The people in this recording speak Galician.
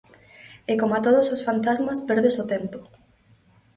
E coma todos os fantasmas, perdes o tempo.